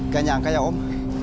gak nyangka ya om